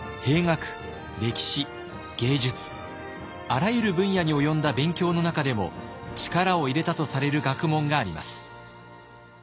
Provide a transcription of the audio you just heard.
あらゆる分野に及んだ勉強の中でも力を入れたとされる学問があります。